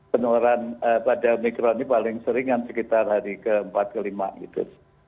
penularan pada omikron ini paling sering sekitar hari ke empat ke lima gitu